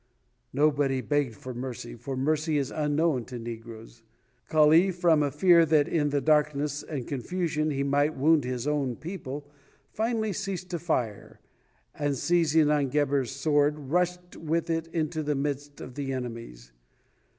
Nobody begged for mercy, for mercy is unknown to negroes. Kali, from a fear that in the darkness and confusion he might wound his own people, finally ceased to fire, and seizing Gebhr's sword rushed with it into the midst of the enemies.